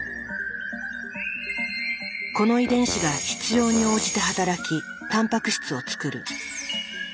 この遺伝子が必要に応じて働きタンパク質を作る。